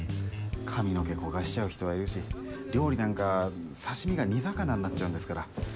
髪の毛焦がしちゃう人はいるし料理なんか刺身が煮魚になっちゃうんですから。